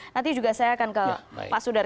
nanti juga saya akan ke pak sudar